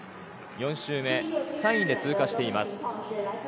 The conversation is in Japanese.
４周目を３位で通過しています。